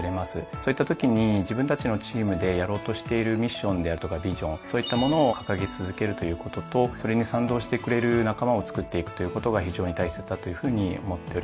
そういったときに自分たちのチームでやろうとしているミッションであるとかビジョンそういったものを掲げ続けるということとそれに賛同してくれる仲間をつくっていくということが非常に大切だというふうに思っております。